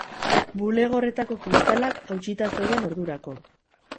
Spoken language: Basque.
Bulego horretako kristalak hautsita zeuden ordurako.